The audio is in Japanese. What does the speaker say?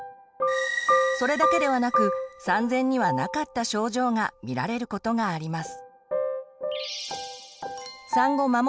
それだけではなく産前にはなかった症状が見られることがあります。